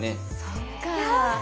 そっかぁ。